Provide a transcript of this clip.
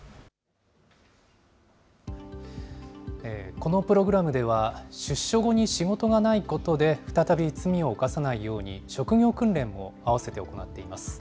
このプログラムでは、出所後に仕事がないことで、再び罪を犯さないように、職業訓練も合わせて行っています。